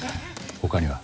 他には？